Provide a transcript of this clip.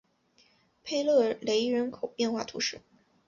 佩勒雷人口变化图示